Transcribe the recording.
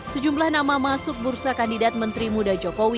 sejumlah nama masuk bursa kandidat menteri muda jokowi